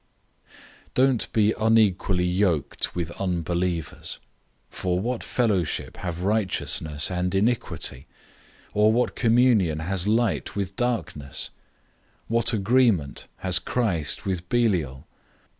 006:014 Don't be unequally yoked with unbelievers, for what fellowship have righteousness and iniquity? Or what communion has light with darkness? 006:015 What agreement has Christ with Belial?